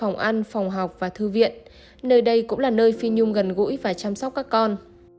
nơi đây cũng là nơi phi nhung gần gũi và chăm sóc các con